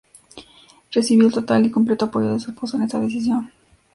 Recibió el total y completo apoyo de su esposo en esta decisión.